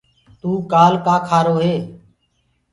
توُ ڪآ کآ کآرو هي؟